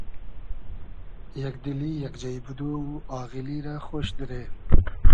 یئگ دیلی ، یئگ جݷ بودۉ و آغیلی رۂ خۉش دیرې